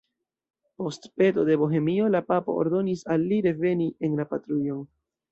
Post peto de Bohemio la papo ordonis al li reveni en la patrujon.